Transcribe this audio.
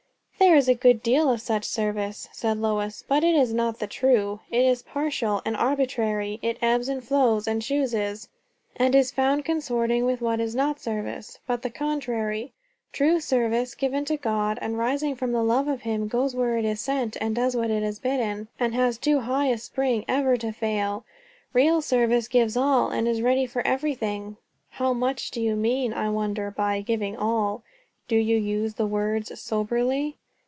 "There is a good deal of such service," said Lois, "but it is not the true. It is partial, and arbitrary; it ebbs and flows, and chooses; and is found consorting with what is not service, but the contrary. True service, given to God, and rising from the love of him, goes where it is sent and does what it is bidden, and has too high a spring ever to fail. Real service gives all, and is ready for everything." "How much do you mean, I wonder, by 'giving all'? Do you use the words soberly?"